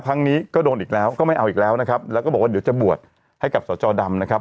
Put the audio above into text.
ครั้งนี้ก็โดนอีกแล้วก็ไม่เอาอีกแล้วนะครับแล้วก็บอกว่าเดี๋ยวจะบวชให้กับสจดำนะครับ